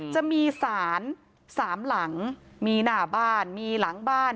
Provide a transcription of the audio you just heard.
จะมีสาร๓หลังมีหน้าบ้านมีหลังบ้าน